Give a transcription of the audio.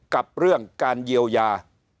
กับเรื่องการเยียวยา